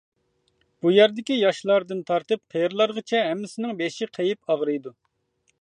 بۇ يەردىكى ياشلاردىن تارتىپ قېرىلارغىچە ھەممىسىنىڭ بېشى قېيىپ ئاغرىيدۇ.